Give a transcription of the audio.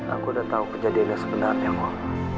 aku udah tau kejadiannya sebenarnya kok